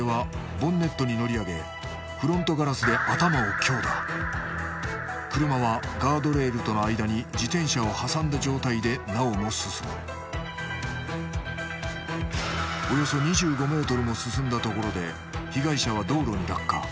ボンネットに乗り上げ車はガードレールとの間に自転車を挟んだ状態でなおも進むおよそ２５ｍも進んだところで被害者は道路に落下